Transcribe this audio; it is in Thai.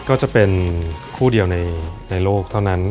ก็จะเป็นคู่เดียวในโลกเท่านั้น